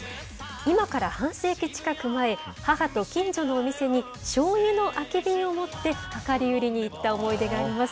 今から半世紀近く前、母と近所のお店に、しょうゆの空き瓶を持って、量り売りに行った思い出があります。